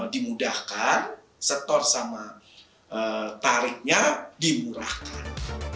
dimudahkan setor sama tariknya dimurahkan